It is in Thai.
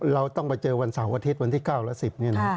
เราต้องไปเจอวันเสาร์อาทิตย์วันที่๙และ๑๐นี่นะ